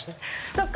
そっか。